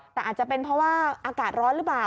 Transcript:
แต่อาจจะเป็นเพราะว่าอากาศร้อนหรือเปล่า